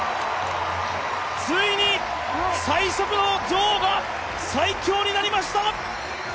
ついに最速の女王が最強になりました！